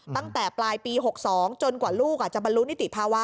ตั้งแต่ปลายปี๖๒จนกว่าลูกจะบรรลุนิติภาวะ